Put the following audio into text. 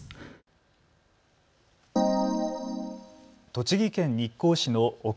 栃木県日光市の奥